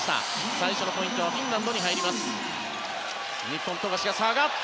最初のポイントはフィンランドに入ります。